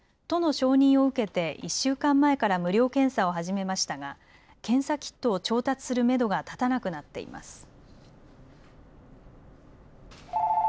都の承認を受けて１週間前から無料検査を始めましたが検査キットを調達するめどが立たなくなっています。